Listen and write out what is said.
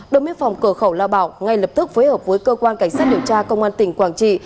đồng biên phòng cửa khẩu lao bảo ngay lập tức phối hợp với cơ quan cảnh sát điều tra công an tỉnh quảng trị